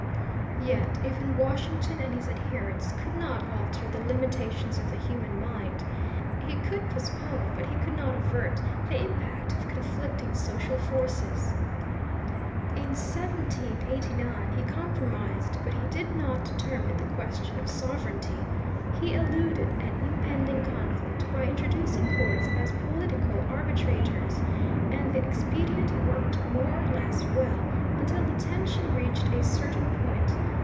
Yet even Washington and his adherents could not alter the limitations of the human mind. He could postpone, but he could not avert, the impact of conflicting social forces. In 1789 he compromised, but he did not determine the question of sovereignty. He eluded an impending conflict by introducing courts as political arbitrators, and the expedient worked more or less well until the tension reached a certain point.